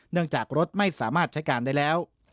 จากรถไม่สามารถใช้การได้แล้ว